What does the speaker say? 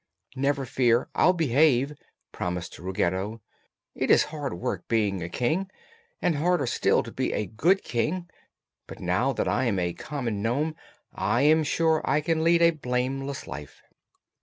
"Never fear. I'll behave," promised Ruggedo. "It is hard work being a King, and harder still to be a good King. But now that I am a common nome I am sure I can lead a blameless life."